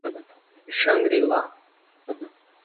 Xangri-lá